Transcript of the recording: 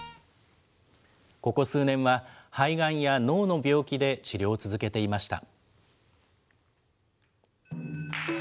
ここ数年は、肺がんや脳の病気で治療を続けていました。